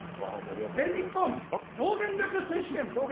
全日本表現力選手権。